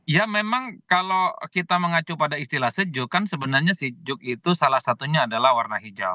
ya memang kalau kita mengacu pada istilah sejuk kan sebenarnya sejuk itu salah satunya adalah warna hijau